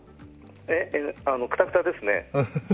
くたくたですね。